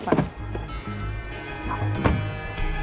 apa yang mau saya tanya